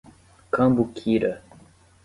Cambuquira